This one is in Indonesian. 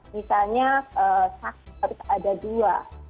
misalnya saksi harus ada dua